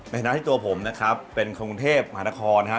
ในฐานะที่ตัวผมนะครับเป็นคนกรุงเทพมหานครนะครับ